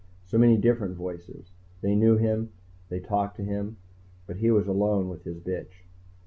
So many different voices. They knew him, they talked to him. But he was alone with his bitch.